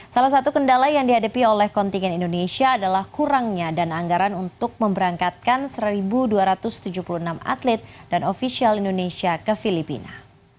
salah satu kendala yang dihadapi oleh kontingen indonesia adalah kurangnya dan anggaran untuk memberangkatkan satu dua ratus tujuh puluh enam atlet dan ofisial indonesia ke filipina